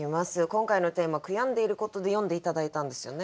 今回のテーマ「悔やんでいること」で詠んで頂いたんですよね？